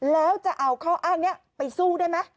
แล้วจะเอาข้ออ้างนี้ไปสู้ได้ไหม